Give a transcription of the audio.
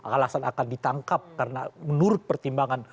alasan akan ditangkap karena menurut pertimbangan